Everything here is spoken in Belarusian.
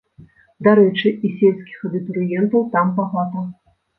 Дарэчы, і сельскіх абітурыентаў там багата.